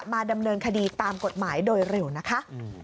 มันมันอาทิตย์ตามกฎหมายโดยริวนะคะ